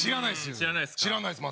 知らないですよ。